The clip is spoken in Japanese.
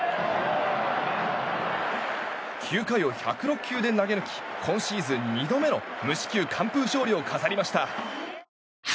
９回を１０６球で投げ抜き今シーズン２度目の無四球完封勝利を飾りました。